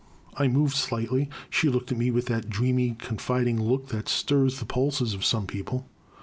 I moved slightly. She looked at me with that dreamy confiding look that stirs the pulses of some people.